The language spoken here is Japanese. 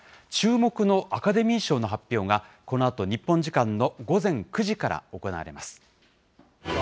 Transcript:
注目のアカデミー賞の発表が、このあと日本時間の午前９時から行われます。